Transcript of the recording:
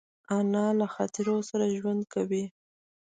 انا له خاطرو سره ژوند کوي